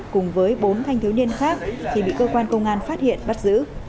cùng với bốn thanh thứ niên khác khi bị cơ quan công an phát hiện bắt giữ